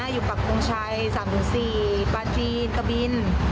อยู่ปรับคุณชัย๓๔ปาจีนกบิน